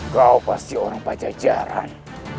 kau pasti orang pajak jarang